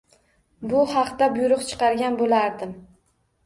Bu haqida buyruq chiqargan bo’lardim…